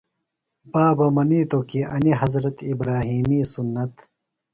بابہ منِیتوۡ کی انیۡ حضرت ابراھیمی سُنت۔